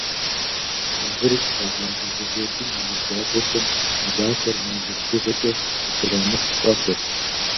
Шагъыр щагъавэ зэводым и лэжьакӏуэхэм улахуэр мазэ бжыгъэкӏэ къыщырамыт къэхъурт.